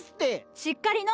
しっかりのう！